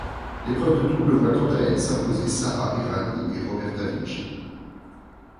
L'épreuve de double voit quant à elle s'imposer Sara Errani et Roberta Vinci.